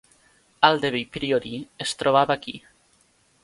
Aldeby Priory es trobava aquí.